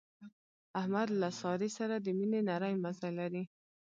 احمد له سارې سره د مینې نری مزی لري.